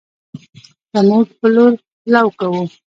زمونږ په لور لو کوو